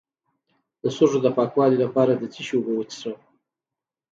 د سږو د پاکوالي لپاره د څه شي اوبه وڅښم؟